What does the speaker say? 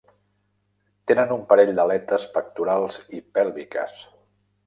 Tenen un parell d'aletes pectorals i pèlviques.